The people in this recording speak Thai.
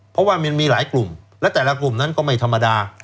เพราะว่ามันมีหลายกลุ่มและแต่ละกลุ่มนั้นก็ไม่ธรรมดา